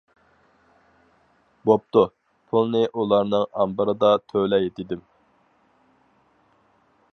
بوپتۇ، پۇلنى ئۇلارنىڭ ئامبىرىدا تۆلەي دېدىم.